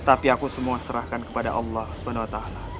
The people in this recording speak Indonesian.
tapi aku semua serahkan kepada allah swt